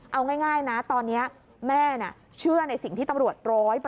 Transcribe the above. เอาง่ายนะตอนนี้แม่เชื่อในสิ่งที่ตำรวจ๑๐๐